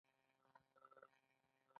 ماشوم له لوبو وروسته لږ ستړی ښکاره کېده.